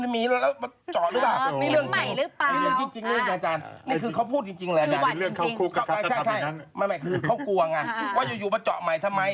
ใช่ไม่คือเขากลัวไงว่าอยู่มาเจาะใหม่ทำไม